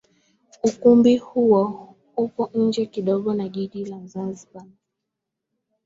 Ukumbi huo upo nje kidogo ya Jiji la Zanzibar